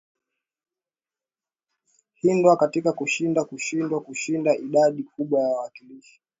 hindwa katika kushinda kushindwa kushida idadi kubwa ya wakilishi